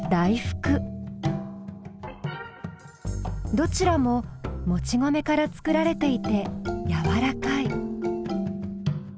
どちらももち米から作られていてやわらかい。